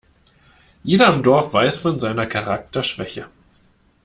Jeder im Dorf weiß von seiner Charakterschwäche.